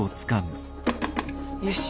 よし。